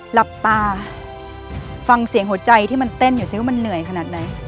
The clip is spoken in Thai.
หลับตาฟังเสียงหัวใจที่มันเต้นอยู่สิว่ามันเหนื่อยขนาดไหน